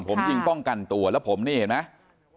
ผมยิงป้องกันตัวแล้วผมนี่เห็นไหม